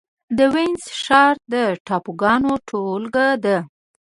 د وينز ښار د ټاپوګانو ټولګه ده.